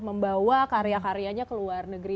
membawa karya karyanya ke luar negeri